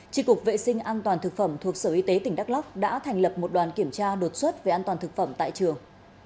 trị cục vệ sinh an toàn thực phẩm thuộc sở y tế tỉnh đắk lóc đã thành lập một đoàn kiểm tra đột xuất về an toàn thực phẩm tại trường